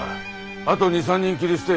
あと２３人斬り捨てぇ。